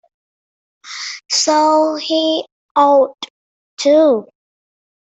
So he ought to.